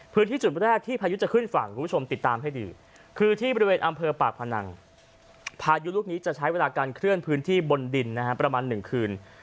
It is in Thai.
พื้นที่จุดแรกที่พายุจะขึ้นฝั่งคุณผู้ชมติดตามให้ดีคือที่บริเวณอำเภอปากพนังพายุลูกนี้จะใช้เวลาการเคลื่อนพื้นที่บนดินนะฮะประมาณ๑คืน